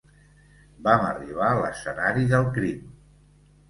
Vam arribar a l'escenari del crim.